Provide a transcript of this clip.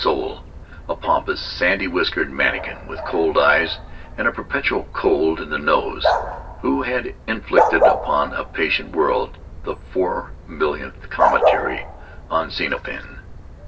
soul, a pompous, sandy whiskered manikin with cold eyes and a perpetual cold in the nose, who had inflicted upon a patient world the four millionth commentary on Xenophon.